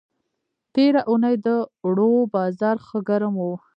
تېره اوونۍ د اوړو بازار ښه گرم و.